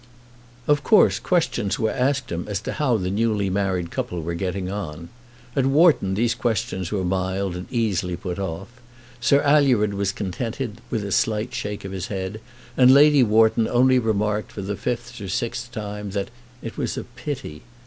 Of course questions were asked him as to how the newly married couple were getting on. At Wharton these questions were mild and easily put off. Sir Alured was contented with a slight shake of his head, and Lady Wharton only remarked for the fifth or sixth time that "it was a pity."